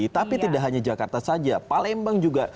tapi tidak hanya jakarta saja palembang juga